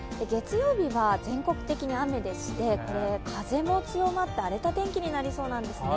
月曜日は全国的に雨でして、風も強まって、荒れた天気になりそうなんですね。